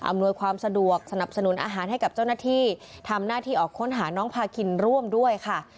ความสะดวกสนับสนุนอาหารให้กับเจ้าหน้าที่ทำหน้าที่ออกค้นหาน้องพาคินร่วมด้วยค่ะ